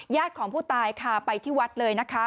ญาติของผู้ตายขาไปที่วัดเลยนะคะ